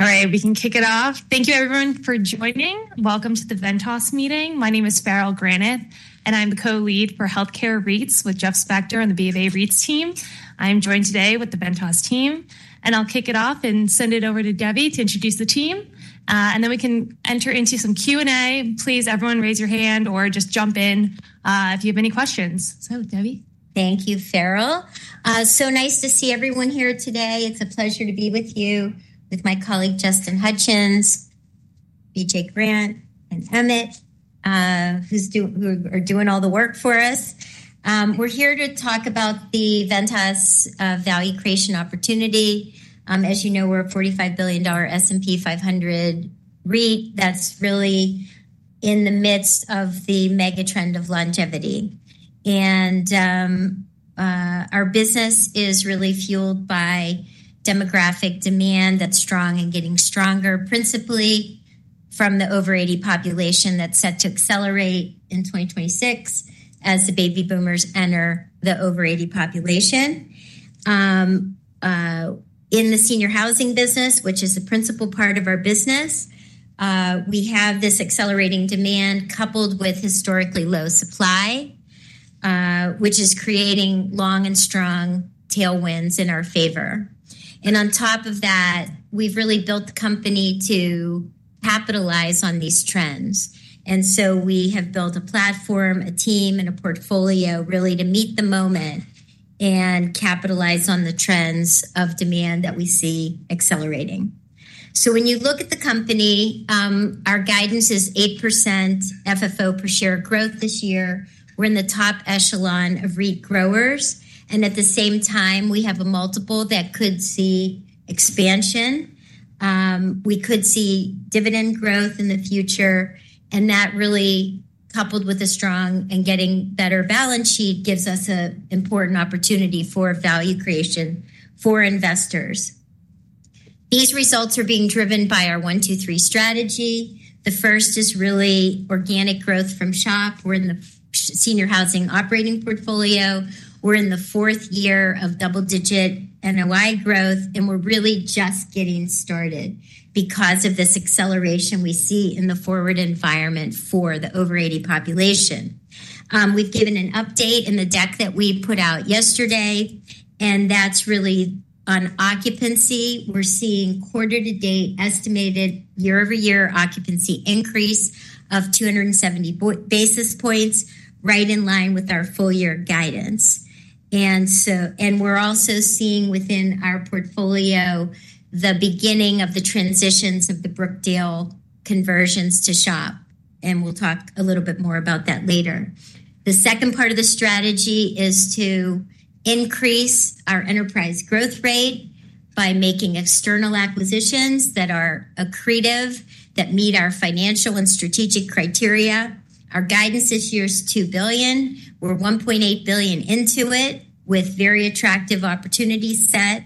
All right, we can kick it off. Thank you, everyone, for joining. Welcome to the Ventas meeting. My name is Farrell Granath, and I'm the Co-Lead for Healthcare REITs with Jeff Spector and the BofA REITs team. I'm joined today with the Ventas team. I'll kick it off and send it over to Deby to introduce the team, and then we can enter into some Q&A. Please, everyone, raise your hand or just jump in if you have any questions. Deby. Thank you, Farrell. So nice to see everyone here today. It's a pleasure to be with you, with my colleague Justin Hutchens, BJ Grant, and Emmett, who are doing all the work for us. We're here to talk about the Ventas value creation opportunity. As you know, we're a $45 billion S&P 500 REIT that's really in the midst of the megatrend of longevity. Our business is really fueled by demographic demand that's strong and getting stronger, principally from the over-80 population that's set to accelerate in 2026 as the baby boomers enter the over-80 population. In the senior housing business, which is the principal part of our business, we have this accelerating demand coupled with historically low supply, which is creating long and strong tailwinds in our favor. On top of that, we've really built the company to capitalize on these trends. We have built a platform, a team, and a portfolio really to meet the moment and capitalize on the trends of demand that we see accelerating. When you look at the company, our guidance is 8% FFO per share growth this year. We're in the top echelon of REIT growers. At the same time, we have a multiple that could see expansion. We could see dividend growth in the future. That really coupled with a strong and getting better balance sheet, gives us an important opportunity for value creation for investors. These results are being driven by our 1, 2, 3 strategy. The first is really organic growth from SHOP. We're in the senior housing operating portfolio. We're in the fourth year of double-digit NOI growth, and we're really just getting started because of this acceleration we see in the forward environment for the over-80 population. We've given an update in the deck that we put out yesterday, and that's really on occupancy. We're seeing quarter-to-date estimated year-over-year occupancy increase of 270 basis points, right in line with our full-year guidance. We're also seeing within our portfolio the beginning of the transitions of the Brookdale conversions to SHOP. We'll talk a little bit more about that later. The second part of the strategy is to increase our enterprise growth rate by making external acquisitions that are accretive, that meet our financial and strategic criteria. Our guidance this year is $2 billion. We're $1.8 billion into it with very attractive opportunities set.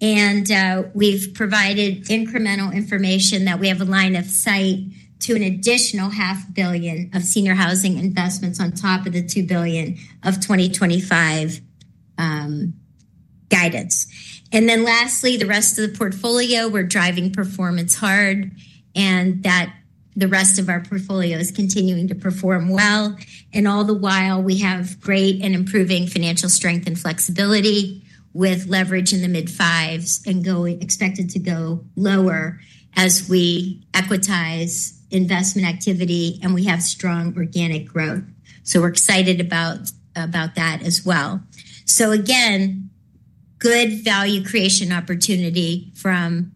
We have provided incremental information that we have a line of sight to an additional $0.5 billion of senior housing investments on top of the $2 billion of 2025 guidance. Lastly, the rest of the portfolio, we're driving performance hard and the rest of our portfolio is continuing to perform well. All the while, we have great and improving financial strength and flexibility with leverage in the mid-5s and expected to go lower as we equitize investment activity, and we have strong organic growth. We're excited about that as well. Again, good value creation opportunity from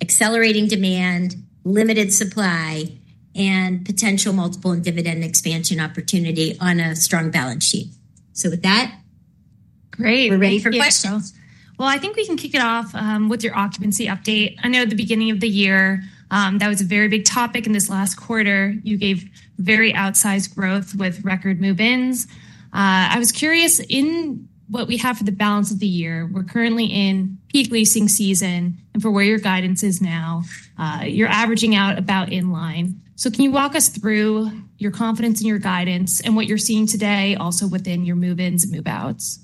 accelerating demand, limited supply, and potential multiple and dividend expansion opportunity on a strong balance sheet. With that, we're ready for questions. I think we can kick it off with your occupancy update. I know at the beginning of the year, that was a very big topic. In this last quarter, you gave very outsized growth with record move-ins. I was curious in what we have for the balance of the year, we're currently in peak leasing season. For where your guidance is now, you're averaging out about in line. Can you walk us through your confidence in your guidance and what you're seeing today also within your move-ins and move-outs?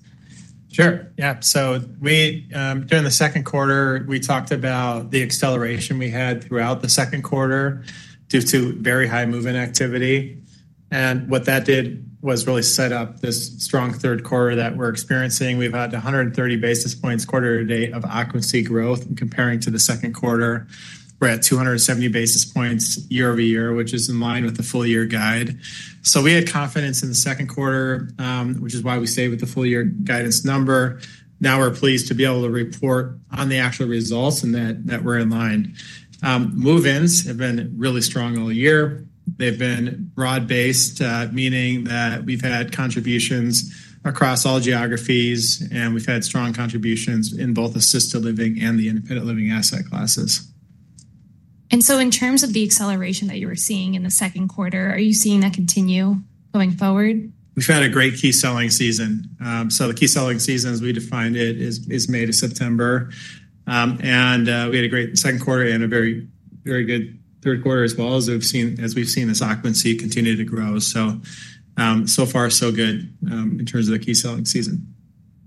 Sure. Yeah. During the second quarter, we talked about the acceleration we had throughout the second quarter due to very high move-in activity. What that did was really set up this strong third quarter that we're experiencing. We've had 130 basis points quarter to date of occupancy growth. Comparing to the second quarter, we're at 270 basis points year over year, which is in line with the full-year guide. We had confidence in the second quarter, which is why we stayed with the full-year guidance number. Now we're pleased to be able to report on the actual results and that we're in line. Move-ins have been really strong all year. They've been broad-based, meaning that we've had contributions across all geographies, and we've had strong contributions in both assisted living and the independent living asset classes. In terms of the acceleration that you were seeing in the second quarter, are you seeing that continue going forward? We've had a great key selling season. The key selling season, as we define it, is May to September. We had a great second quarter and a very good third quarter as we've seen this occupancy continue to grow. So far, so good in terms of the key selling season.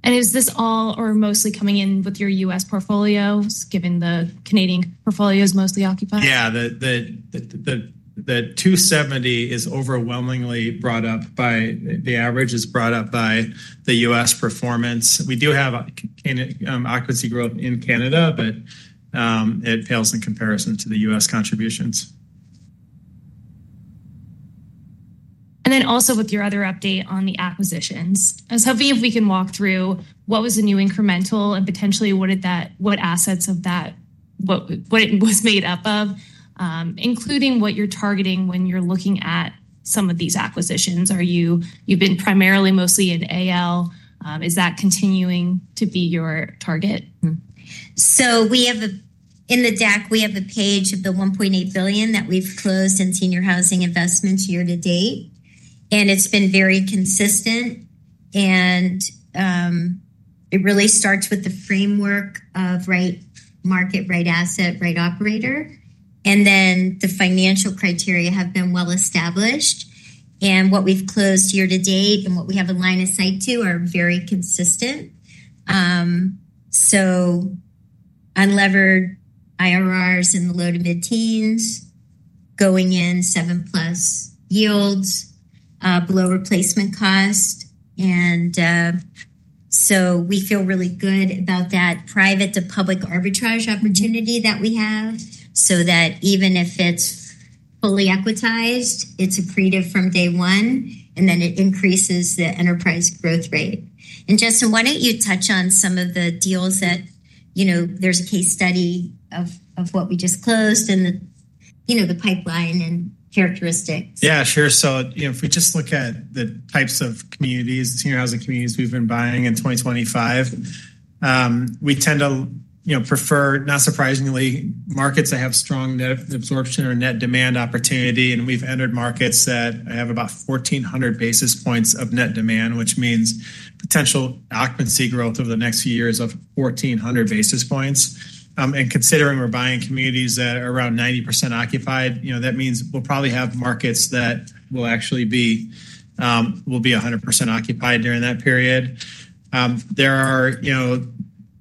Is this all or mostly coming in with your U.S. portfolios, given the Canadian portfolio is mostly occupied? Yeah, the $270 is overwhelmingly brought up by the average is brought up by the U.S. performance. We do have occupancy growth in Canada, but it pales in comparison to the U.S. contributions. With your other update on the acquisitions, I was hoping if we can walk through what was the new incremental and potentially what assets of that, what it was made up of, including what you're targeting when you're looking at some of these acquisitions. You've been primarily mostly in AL. Is that continuing to be your target? In the deck a page of the $1.8 billion that we've closed in senior housing investments year to date. It's been very consistent. It really starts with the framework of right market, right asset, right operator. The financial criteria have been well established. What we've closed year to date and what we have a line of sight to are very consistent. Unlevered IRRs in the low to mid-teens, going in seven-plus yields, below replacement cost. We feel really good about that private to public arbitrage opportunity that we have so that even if it's fully equitized, it's accretive from day one, and then it increases the enterprise growth rate. Justin, why don't you touch on some of the deals that you know, there's a case study of what we just closed and the pipeline and characteristics. Yeah, sure. If we just look at the types of communities, senior housing communities we've been buying in 2025, we tend to prefer not surprisingly, markets that have strong net absorption or net demand opportunity. We've entered markets that have about 1,400 basis points of net demand, which means potential occupancy growth over the next few years of 1,400 basis points. Considering we're buying communities that are around 90% occupied, that means we'll probably have markets that will actually be 100% occupied during that period. There are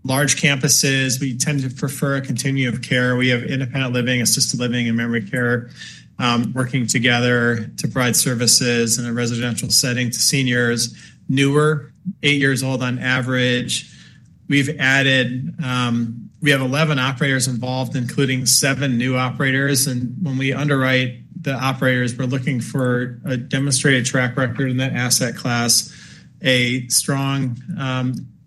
large campuses. We tend to prefer a continuum of care. We have independent living, assisted living, and memory care working together to provide services in a residential setting to seniors, newer, eight years old on average. We've added, we have 11 operators involved, including seven new operators. When we underwrite the operators, we're looking for a demonstrated track record in that asset class, a strong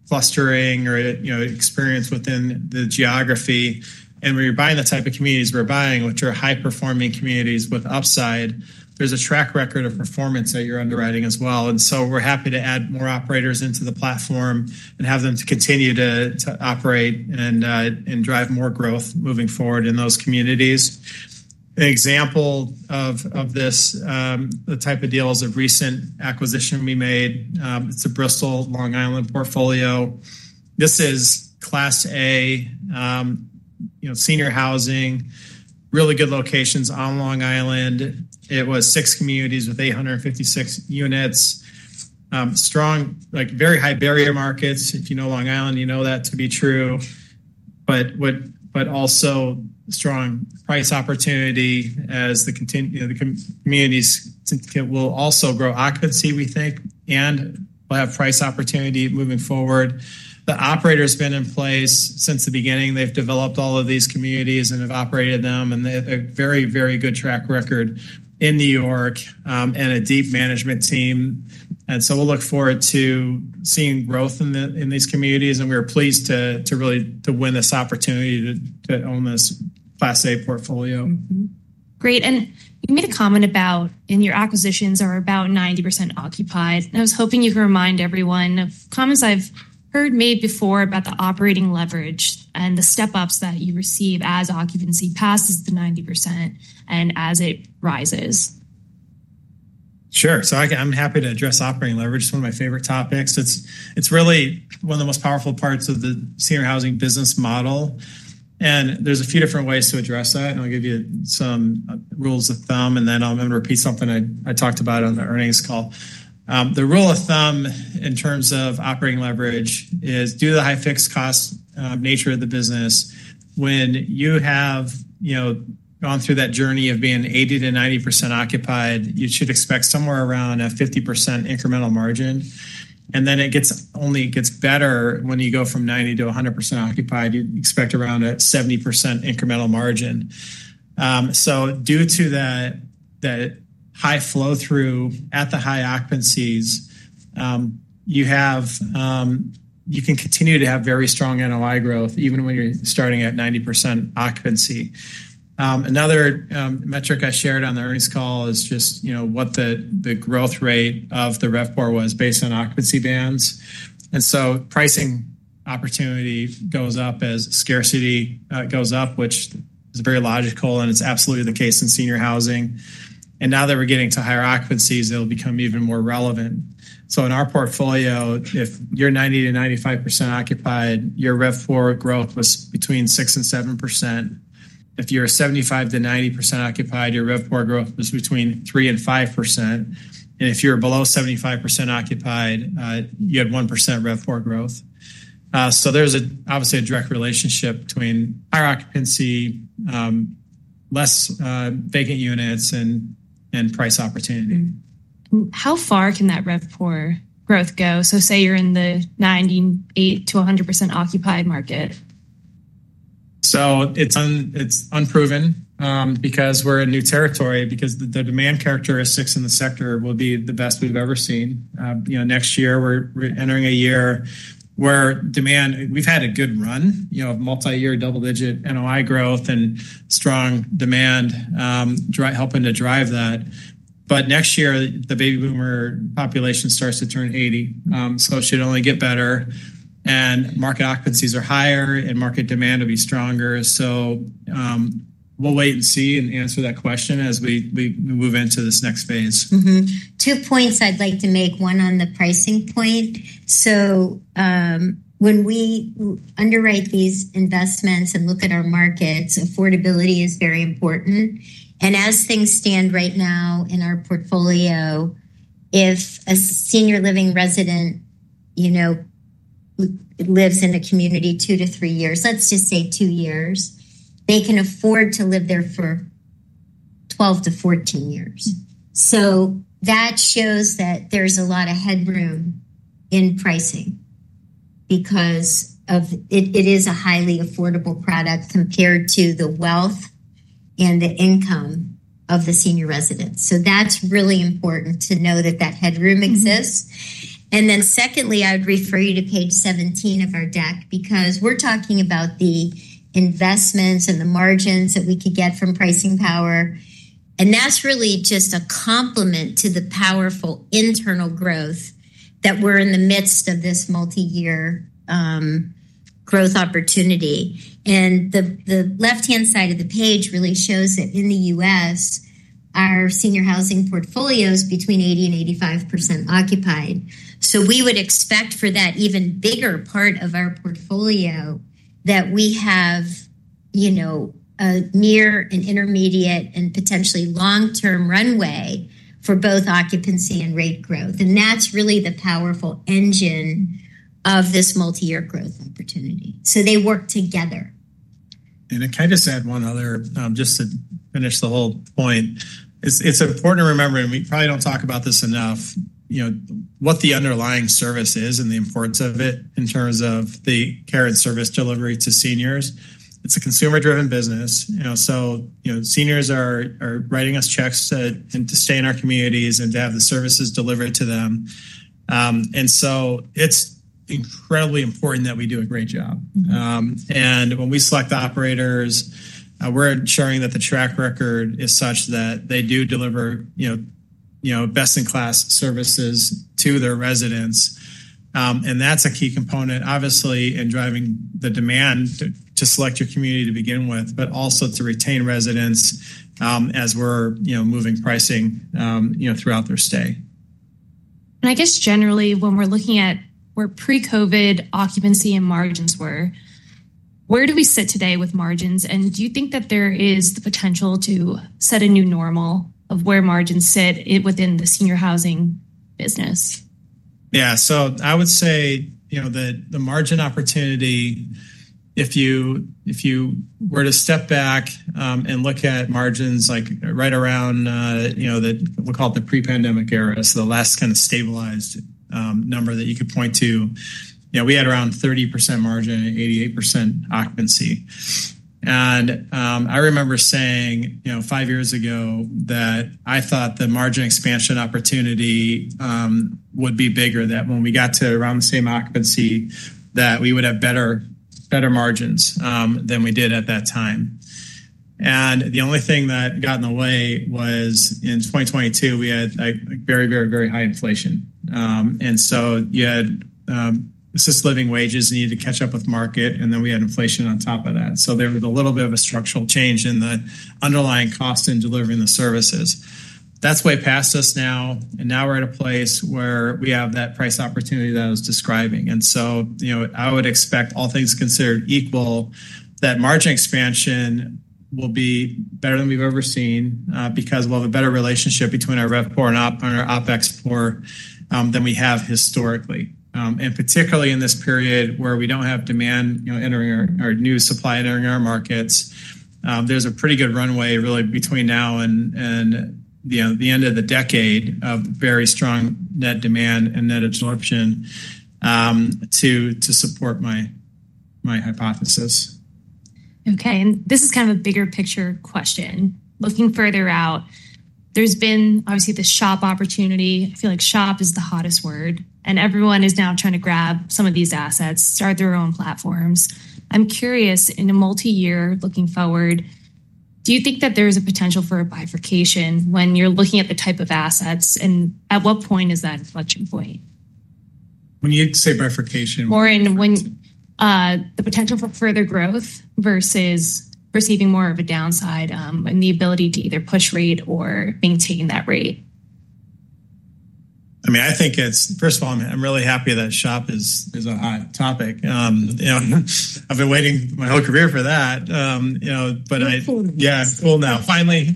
clustering or experience within the geography. When you're buying the type of communities we're buying, which are high-performing communities with upside, there's a track record of performance that you're underwriting as well. We're happy to add more operators into the platform and have them continue to operate and drive more growth moving forward in those communities. An example of this, the type of deal is a recent acquisition we made. It's a Bristol Long Island portfolio. This is class A senior housing, really good locations on Long Island. It was six communities with 856 units, strong, very high barrier markets. If you know Long Island, you know that to be true. But also, strong price opportunity as the communities will also grow occupancy, we think, and we'll have price opportunity moving forward. The operator's been in place since the beginning. They've developed all of these communities and have operated them, and they have a very, very good track record in New York and a deep management team. We'll look forward to seeing growth in these communities, and we're pleased to really win this opportunity to own this class A portfolio. Great. You made a comment about in your acquisitions are about 90% occupied. I was hoping you could remind everyone of comments I've heard made before about the operating leverage and the step-ups that you receive as occupancy passes the 90% and as it rises. Sure. I'm happy to address operating leverage. It's one of my favorite topics. It's really one of the most powerful parts of the senior housing business model. There are a few different ways to address that. I'll give you some rules of thumb, and then I'm going to repeat something I talked about on the earnings call. The rule of thumb in terms of operating leverage is due to the high fixed cost nature of the business, when you have gone through that journey of being 80 to 90% occupied, you should expect somewhere around a 50% incremental margin. It only gets better when you go from 90 to 100% occupied. You'd expect around a 70% incremental margin. Due to that high flow-through at the high occupancies, you can continue to have very strong NOI growth even when you're starting at 90% occupancy. Another metric I shared on the earnings call is just what the growth rate of the RevPOR was based on occupancy bands. Pricing opportunity goes up as scarcity goes up, which is very logical, and it's absolutely the case in senior housing. Now that we're getting to higher occupancies, it'll become even more relevant. In our portfolio, if you're 90 to 95% occupied, your RevPOR growth was between 6 and 7%. If you're 75-90% occupied, your RevPOR growth was between 3 and 5%. If you're below 75% occupied, you had 1% RevPOR growth. There's obviously a direct relationship between higher occupancy, less vacant units, and price opportunity. How far can that RevPOR growth go? Say you're in the 98-100% occupied market. It's unproven because we're in new territory, because the demand characteristics in the sector will be the best we've ever seen. Next year, we're entering a year where demand, we've had a good run, multi-year double-digit NOI growth and strong demand helping to drive that. Next year, the baby boomer population starts to turn 80. It should only get better. Market occupancies are higher, and market demand will be stronger. We'll wait and see and answer that question as we move into this next phase. Two points I'd like to make. One on the pricing point. When we underwrite these investments and look at our markets, affordability is very important. As things stand right now in our portfolio, if a senior living resident lives in a community two to three years, let's just say two years, they can afford to live there for 12-14 years. That shows that there's a lot of headroom in pricing because it is a highly affordable product compared to the wealth and the income of the senior residents. That's really important to know that headroom exists. Secondly, I would refer you to page 17 of our deck because we're talking about the investments and the margins that we could get from pricing power. That's really just a complement to the powerful internal growth that we're in the midst of this multi-year growth opportunity. The left-hand side of the page really shows that in the U.S., our senior housing portfolio is between 80% and 85% occupied. We would expect for that even bigger part of our portfolio that we have a near and intermediate and potentially long-term runway for both occupancy and rate growth. That's really the powerful engine of this multi-year growth opportunity. They work together. I’d kind of just add one other just to finish the whole point. It’s important to remember, and we probably don’t talk about this enough, what the underlying service is and the importance of it in terms of the care and service delivery to seniors. It’s a consumer-driven business. Seniors are writing us checks to stay in our communities and to have the services delivered to them. It’s incredibly important that we do a great job. When we select the operators, we’re ensuring that the track record is such that they do deliver best-in-class services to their residents. That’s a key component, obviously, in driving the demand to select your community to begin with, but also to retain residents as we’re moving pricing throughout their stay. I guess generally when we're looking at where pre-COVID occupancy and margins were, where do we sit today with margins? Do you think that there is the potential to set a new normal of where margins sit within the senior housing business? I would say the margin opportunity, if you were to step back and look at margins right around, we'll call it the pre-pandemic era, so the last kind of stabilized number that you could point to, we had around 30% margin and 88% occupancy. I remember saying five years ago that I thought the margin expansion opportunity would be bigger, that when we got to around the same occupancy, we would have better margins than we did at that time. The only thing that got in the way was in 2022, we had very, very high inflation. You had assisted living wages and you needed to catch up with market, and then we had inflation on top of that. There was a little bit of a structural change in the underlying cost in delivering the services. That's way past us now, and now we're at a place where we have that price opportunity that I was describing. I would expect, all things considered equal, that margin expansion will be better than we've ever seen because we'll have a better relationship between our RevPOR and our OpEx than we have historically. Particularly in this period where we don't have demand entering our new supply and entering our markets, there's a pretty good runway really between now and the end of the decade of very strong net demand and net absorption to support my hypothesis. Okay, and this is kind of a bigger picture question. Looking further out, there's been obviously the SHOP opportunity. I feel like SHOP is the hottest word, and everyone is now trying to grab some of these assets, start their own platforms. I'm curious, in a multi-year looking forward, do you think that there is a potential for a bifurcation when you're looking at the type of assets? At what point is that inflection point? When you say bifurcation? In the potential for further growth versus receiving more of a downside and the ability to either push rate or maintain that rate. I mean, I think it's, first of all, I'm really happy that SHOP is a hot topic. I've been waiting my whole career for that. Yeah, cool now, finally.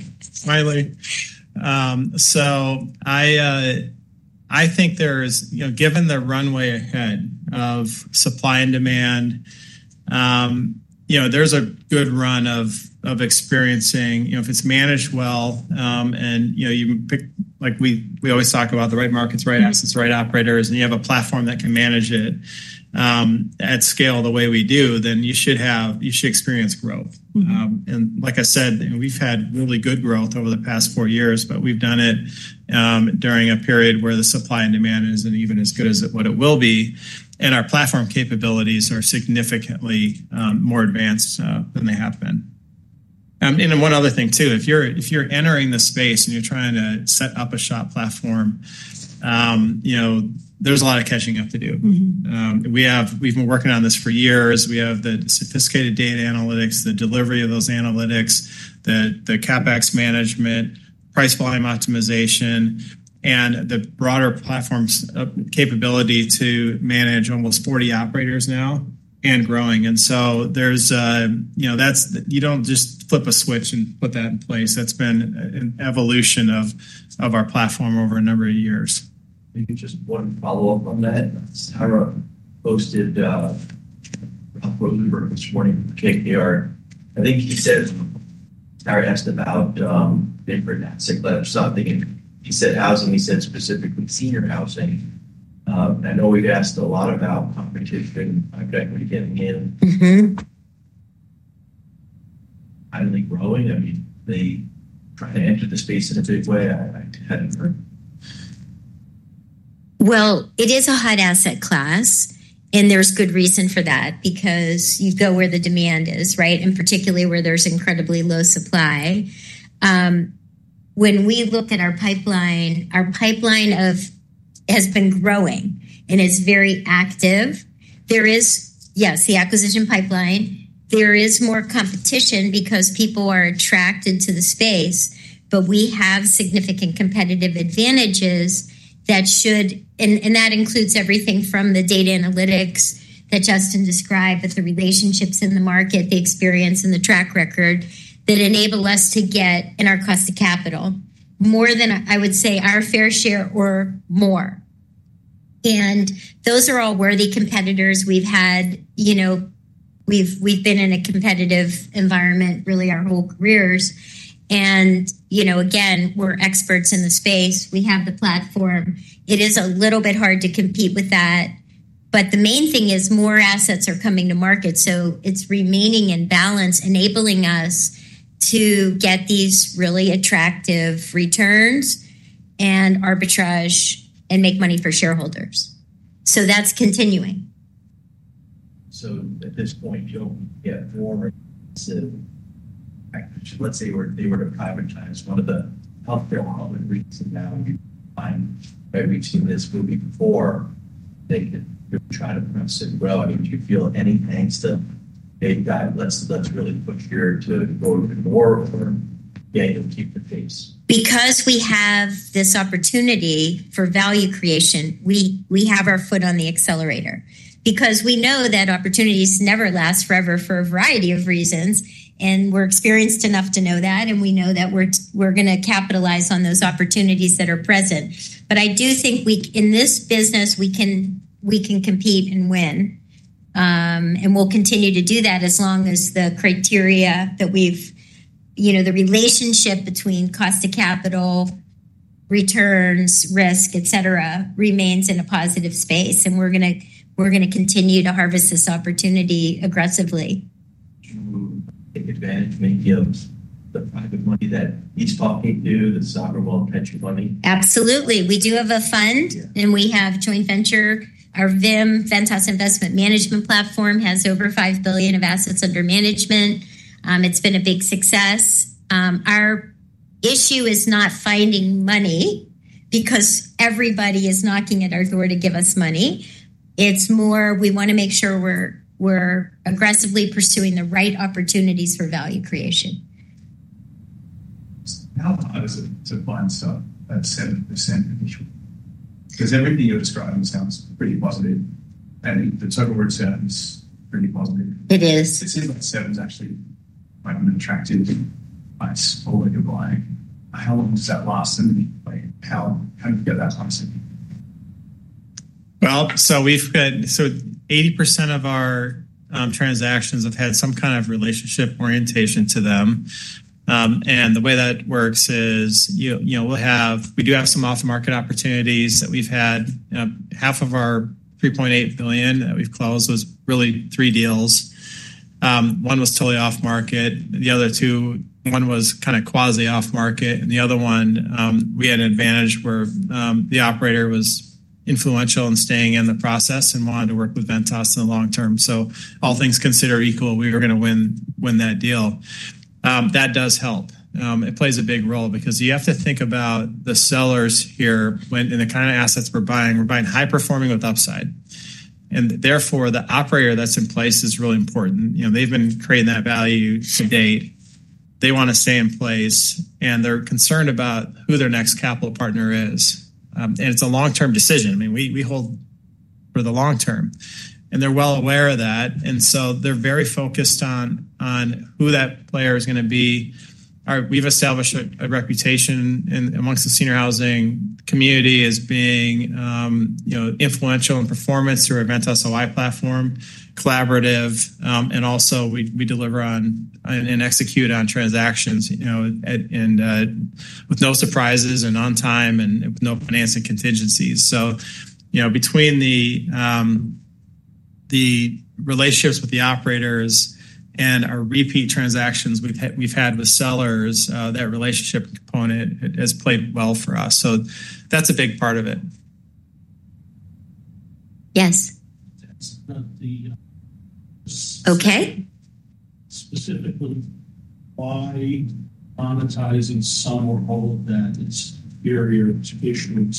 I think there's, given the runway ahead of supply and demand, there's a good run of experiencing, if it's managed well, and you pick like we always talk about, the right markets, right assets, right operators, and you have a platform that can manage it at scale the way we do, then you should experience growth. Like I said, we've had really good growth over the past four years, but we've done it during a period where the supply and demand isn't even as good as what it will be. Our platform capabilities are significantly more advanced than they have been. One other thing too, if you're entering the space and you're trying to set up a SHOP platform, there's a lot of catching up to do. We've been working on this for years. We have the sophisticated data analytics, the delivery of those analytics, the CapEx management, price volume optimization, and the broader platform's capability to manage almost 40 operators now and growing. You don't just flip a switch and put that in place. That's been an evolution of our platform over a number of years. Maybe just one follow-up on that. Sarah hosted the output of the room this morning again here. I think she said Sarah asked about big bring-out circular. I'm thinking he said housing, he said specifically senior housing. I know we asked a lot about interest in getting in. Finally growing, I mean, they kind of entered the space in a big way. I can't answer. It is a hot asset class, and there's good reason for that because you go where the demand is, right? Particularly where there's incredibly low supply. When we look at our pipeline, our pipeline has been growing and is very active. There is, yes, the acquisition pipeline. There is more competition because people are attracted to the space., but we have significant competitive advantages that should, and that includes everything from the data analytics that Justin described with the relationships in the market, the experience, and the track record that enable us to get in our cost of capital more than I would say our fair share or more. Those are all worthy competitors. We've been in a competitive environment really our whole careers. We're experts in the space. We have the platform. It is a little bit hard to compete with that. The main thing is more assets are coming to market. It's remaining in balance, enabling us to get these really attractive returns and arbitrage and make money for shareholders. That's continuing. At this point, yeah, for what they were to climb at times, one of the uphill hurdles to now, I'm right reaching this, but before they could try to print this umbrella, I mean, do you feel anything to make that list of those really push you to go even more for getting a deeper case? Because we have this opportunity for value creation, we have our foot on the accelerator. We know that opportunities never last forever for a variety of reasons, and we're experienced enough to know that. We know that we're going to capitalize on those opportunities that are present. I do think in this business, we can compete and win, and we'll continue to do that as long as the criteria that we've, you know, the relationship between cost of capital, returns, risk, et cetera, remains in a positive space. We're going to continue to harvest this opportunity aggressively. Advanced mediums. I'm going to be that. Absolutely. We do have a fund and we have a joint venture. Our VIM, Ventas Investment Management Platform, has over $5 billion of assets under management. It's been a big success. Our issue is not finding money because everybody is knocking at our door to give us money. It's more we want to make sure we're aggressively pursuing the right opportunities for value creation. Honestly, it's a fun stop at 7%. Everything you're describing sounds really positive, and the total returns are really positive. It is. 7% is actually quite an attractive price for what you're buying. How long does that last? How do you get that lasting? Eighty percent of our transactions have had some kind of relationship orientation to them. The way that works is, you know, we do have some off-market opportunities that we've had. Half of our $3.8 billion that we've closed was really three deals. One was totally off-market. The other two, one was kind of quasi-off-market. The other one, we had an advantage where the operator was influential in staying in the process and wanted to work with Ventas in the long term. All things considered equal, we were going to win that deal. That does help. It plays a big role because you have to think about the sellers here and the kind of assets we're buying. We're buying high-performing with upside. Therefore, the operator that's in place is really important. You know, they've been creating that value to date. They want to stay in place. They're concerned about who their next capital partner is. It's a long-term decision. I mean, we hold for the long term. They're well aware of that. They're very focused on who that player is going to be. We've established a reputation amongst the senior housing community as being influential in performance through our Ventas OI platform, collaborative, and also we deliver on and execute on transactions, you know, with no surprises and on time and with no financing contingencies. Between the relationships with the operators and our repeat transactions we've had with sellers, that relationship component has played well for us. That's a big part of it. Yes. Specifically, why Ventas is in so much of that? It's very educational.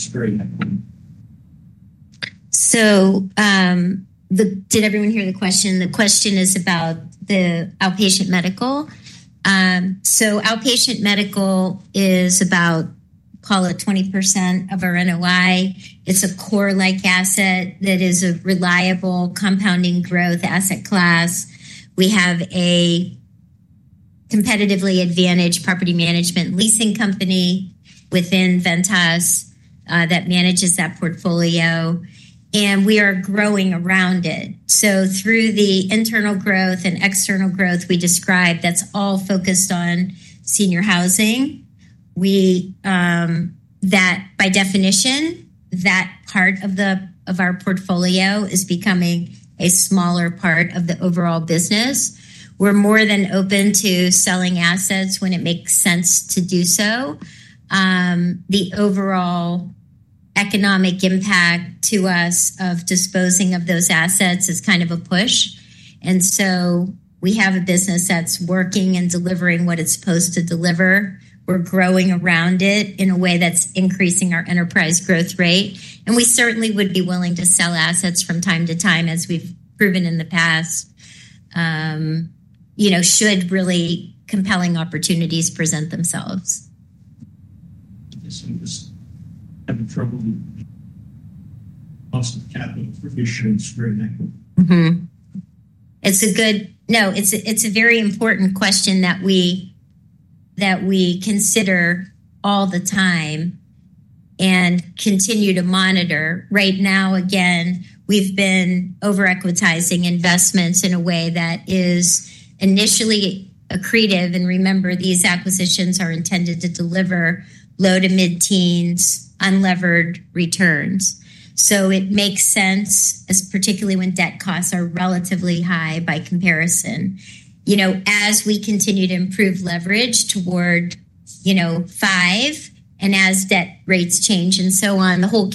Did everyone hear the question? The question is about the outpatient medical. Outpatient medical is about, call it, 20% of our NOI. It's a core-like asset that is a reliable compounding growth asset class. We have a competitively advantaged property management leasing company within Ventas that manages that portfolio. We are growing around it. Through the internal growth and external growth we described, that's all focused on senior housing. By definition, that part of our portfolio is becoming a smaller part of the overall business. We're more than open to selling assets when it makes sense to do so. The overall economic impact to us of disposing of those assets is kind of a push. We have a business that's working and delivering what it's supposed to deliver. We're growing around it in a way that's increasing our enterprise growth rate. We certainly would be willing to sell assets from time to time, as we've proven in the past, should really compelling opportunities present themselves. I'm in trouble with the cost of cabinet commissions for an act. It's a very important question that we consider all the time and continue to monitor. Right now, we've been over-equitizing investments in a way that is initially accretive. Remember, these acquisitions are intended to deliver low to mid-teens, unlevered returns. It makes sense, particularly when debt costs are relatively high by comparison. As we continue to improve leverage toward, you know, five, and as debt rates change and so on, the whole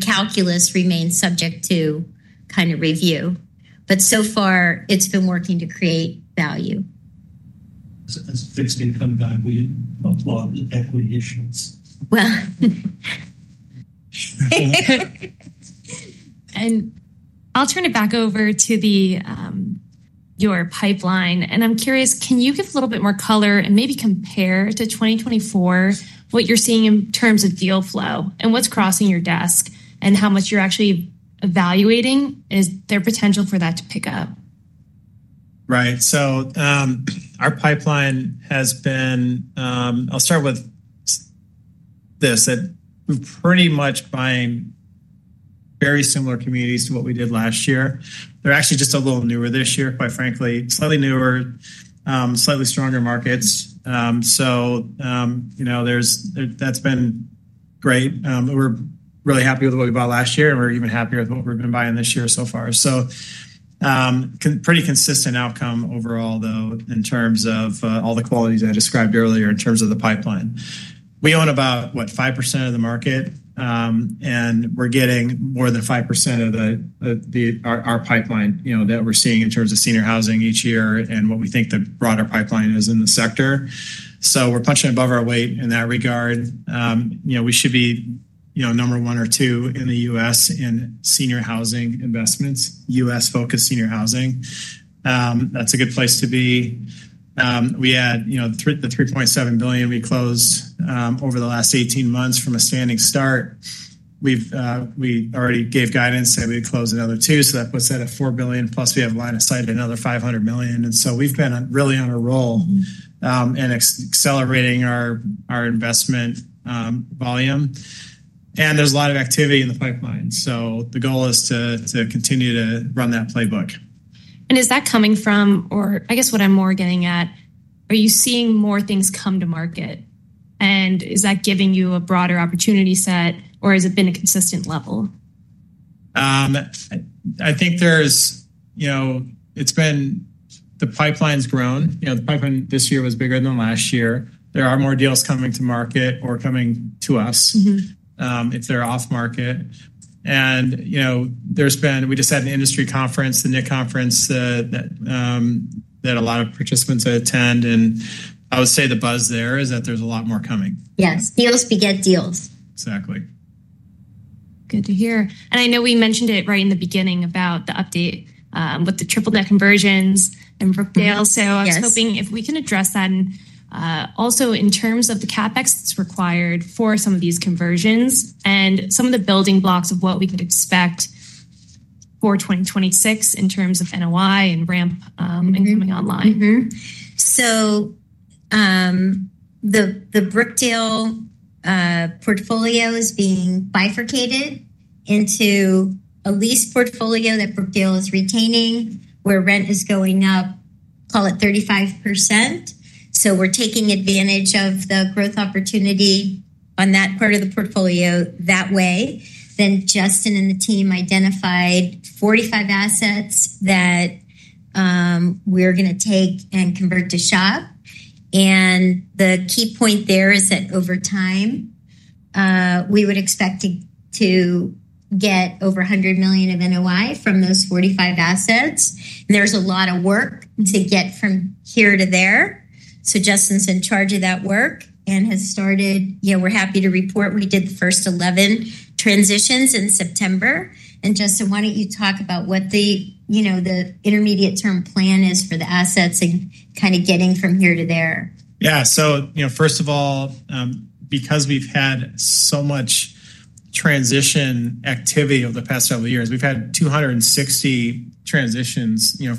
calculus remains subject to kind of review. So far, it's been working to create value. Since they've still come down, we didn't applaud the equity issues. I'll turn it back over to your pipeline. I'm curious, can you give a little bit more color and maybe compare to 2024 what you're seeing in terms of deal flow and what's crossing your desk and how much you're actually evaluating? Is there potential for that to pick up? Right. Our pipeline has been, I'll start with this. We're pretty much buying very similar communities to what we did last year. They're actually just a little newer this year, quite frankly, slightly newer, slightly stronger markets. That's been great. We're really happy with what we bought last year, and we're even happier with what we've been buying this year so far. Pretty consistent outcome overall, though, in terms of all the qualities I described earlier in terms of the pipeline. We own about, what, 5% of the market, and we're getting more than 5% of our pipeline that we're seeing in terms of senior housing each year and what we think the broader pipeline is in the sector. We're punching above our weight in that regard. We should be number one or two in the U.S. in senior housing investments, U.S.-focused senior housing. That's a good place to be. We had the $3.7 billion we closed over the last 18 months from a standing start. We already gave guidance that we'd close another $2 billion. That puts that at $4 billion. Plus, we have line of sight at another $500 million. We've been really on a roll and accelerating our investment volume. There's a lot of activity in the pipeline. The goal is to continue to run that playbook. Is that coming from, or what I'm more getting at, are you seeing more things come to market? Is that giving you a broader opportunity set, or has it been a consistent level? I think there's, you know, it's been the pipeline's grown. The pipeline this year was bigger than last year. There are more deals coming to market or coming to us if they're off-market. We just had an industry conference, the NIC conference that a lot of participants attend. I would say the buzz there is that there's a lot more coming. Yes, deals beget deals. Exactly. Good to hear. I know we mentioned it right in the beginning about the update with the triple net conversions and Brookdale. I was hoping if we can address that and also in terms of the CapEx that's required for some of these conversions and some of the building blocks of what we could expect for 2026 in terms of NOI and ramp and coming online. Brookdale Senior Living portfolio is being bifurcated into a lease portfolio that Brookdale is retaining where rent is going up, call it 35%. We are taking advantage of the growth opportunity on that part of the portfolio that way. Justin and the team identified 45 assets that we are going to take and convert to SHOP. The key point there is that over time, we would expect to get over $100 million of NOI from those 45 assets. There is a lot of work to get from here to there. Justin is in charge of that work and has started. We are happy to report we did the first 11 transitions in September. Justin, why don't you talk about what the intermediate term plan is for the assets and kind of getting from here to there? Yeah, so, first of all, because we've had so much transition activity over the past several years, we've had 260 transitions to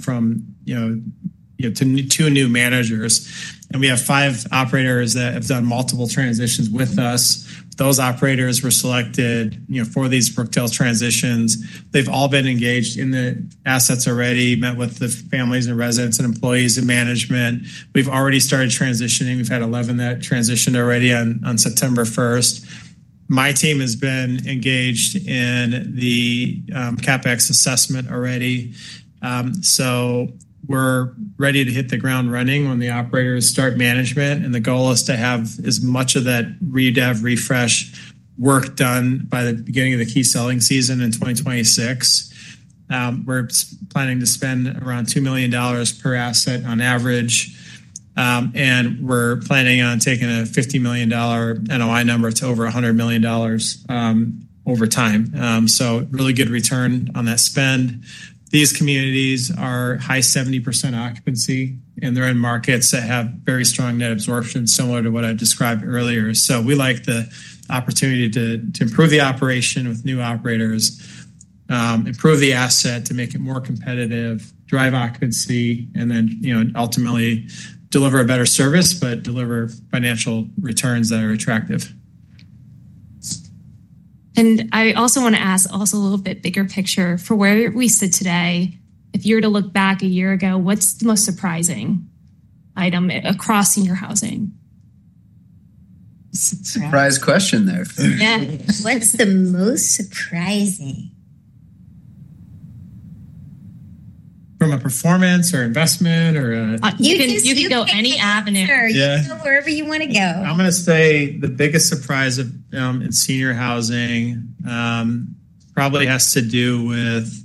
two new managers. We have five operators that have done multiple transitions with us. Those operators were selected for these Brookdale Senior Living transitions. They've all been engaged in the assets already, met with the families and residents and employees and management. We've already started transitioning. We've had 11 that transitioned already on September 1. My team has been engaged in the CapEx assessment already. We're ready to hit the ground running when the operators start management. The goal is to have as much of that redev, refresh work done by the beginning of the key selling season in 2026. We're planning to spend around $2 million per asset on average. We're planning on taking a $50 million NOI number to over $100 million over time. Really good return on that spend. These communities are high 70% occupancy, and they're in markets that have very strong net absorption similar to what I described earlier. We like the opportunity to improve the operation with new operators, improve the asset to make it more competitive, drive occupancy, and ultimately deliver a better service, but deliver financial returns that are attractive. I also want to ask a little bit bigger picture. For where we sit today, if you were to look back a year ago, what's the most surprising item across senior housing? Surprise question there. What's the most surprising? From a performance or investment or a business? You can go any avenue. Go wherever you want to go. I'm going to say the biggest surprise in senior housing probably has to do with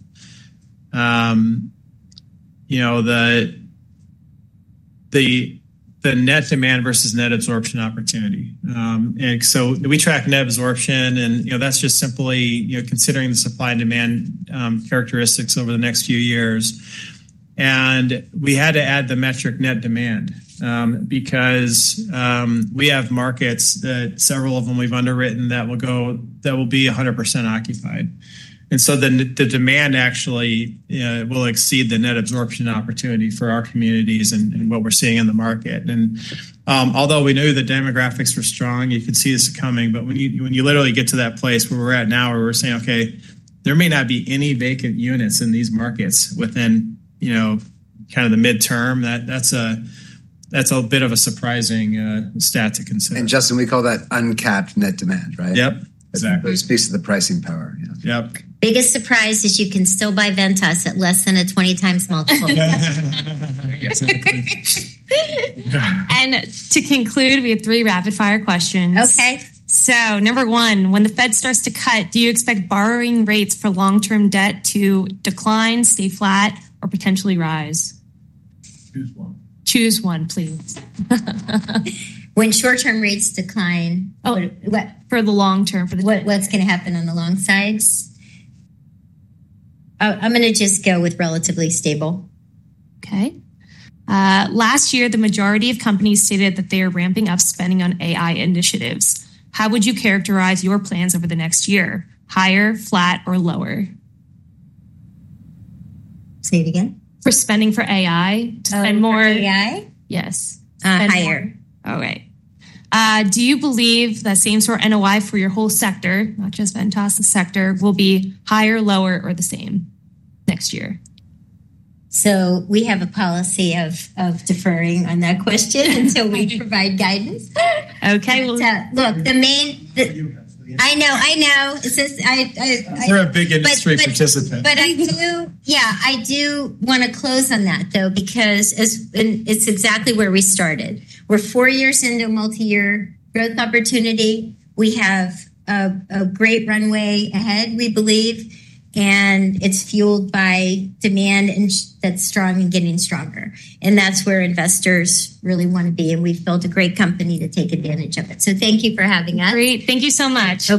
the net demand versus net absorption opportunity. We track net absorption, and that's just simply considering the supply and demand characteristics over the next few years. We had to add the metric net demand because we have markets, several of them we've underwritten, that will be 100% occupied. The demand actually will exceed the net absorption opportunity for our communities and what we're seeing in the market. Although we knew the demographics were strong, you could see this coming, but when you literally get to that place where we're at now, where we're saying, okay, there may not be any vacant units in these markets within the mid-term, that's a bit of a surprising stat to consider. Justin, we call that uncapped net demand, right? Yep. Exactly. It speaks to the pricing power. Yep. Biggest surprise is you can still buy Ventas at less than a 20x multiple. To conclude, we have three rapid-fire questions. Okay. When the Fed starts to cut, do you expect borrowing rates for long-term debt to decline, stay flat, or potentially rise? Choose one, please. When short-term rates decline. Oh, for the long term. What's going to happen on the long sides? I'm going to just go with relatively stable. Okay. Last year, the majority of companies stated that they are ramping up spending on AI initiatives. How would you characterize your plans over the next year? Higher, flat, or lower? Say it again. For spending for AI and more. AI? Yes. Higher. All right. Do you believe that same sort of NOI for your whole sector, not just Ventas' sector, will be higher, lower, or the same next year? We have a policy of deferring on that question until we provide guidance. Okay. Look, the main, I know, since I. You're a big industry participant. I do want to close on that because it's exactly where we started. We're four years into a multi-year growth opportunity. We have a great runway ahead, we believe. It's fueled by demand that's strong and getting stronger. That's where investors really want to be. We've built a great company to take advantage of it. Thank you for having us. Great. Thank you so much.